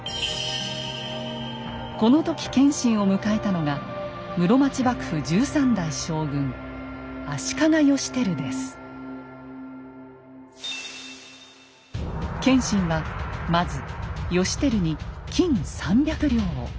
この時謙信を迎えたのが室町幕府謙信はまず義輝に金三百両を。